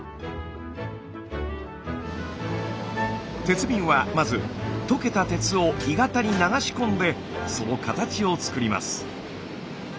鉄瓶はまず溶けた鉄を鋳型に流し込んでその形を作ります。